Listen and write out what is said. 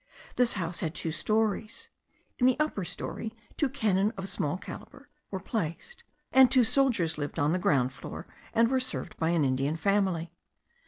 This house had two stories; in the upper story two cannon of small calibre were placed; and two soldiers lived on the ground floor, and were served by an Indian family.